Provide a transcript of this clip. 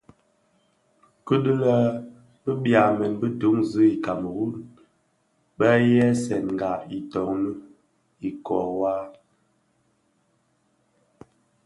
Kidhilè, bi byamèn bi duňzi i Kameru bë ghèsènga itoni ikōō waa.